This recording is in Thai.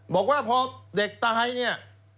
บอกว่าพอเด็กตายเนี่ย